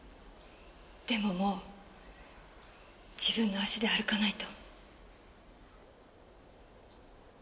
でももう自分の足で歩かないと。